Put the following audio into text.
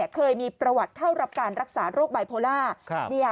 เคยมีประวัติเข้ารับการรักษาโรคไบโพล่า